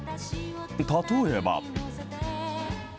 例えば。